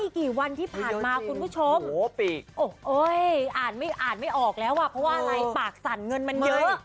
กี่วันที่ผ่านมาคุณผู้ชมอ่านไม่อ่านไม่ออกแล้วอ่ะเพราะว่าอะไรปากสั่นเงินมันเยอะ